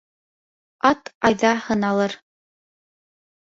Ат айҙа һыналыр